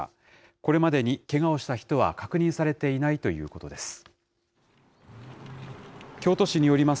これまでにけがをした人は確認されていないということです。